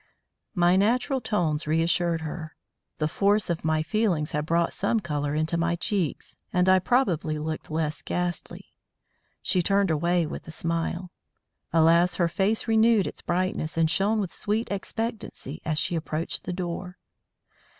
My natural tones reassured her. The force of my feelings had brought some colour into my cheeks, and I probably looked less ghastly. She turned away with a smile. Alas! her face renewed its brightness and shone with sweet expectancy as she approached the door.